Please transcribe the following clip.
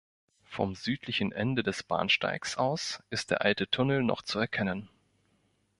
Vom südlichen Ende des Bahnsteigs aus ist der alte Tunnel noch zu erkennen.